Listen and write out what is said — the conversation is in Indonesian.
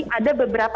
jadi ada beberapa